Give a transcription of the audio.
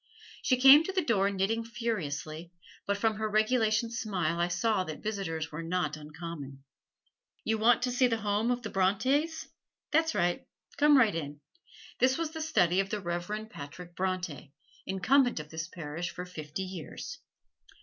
She came to the door knitting furiously, but from her regulation smile I saw that visitors were not uncommon. "You want to see the home of the Brontes? That's right, come right in. This was the study of the Reverend Patrick Bronte, Incumbent of this Parish for fifty years."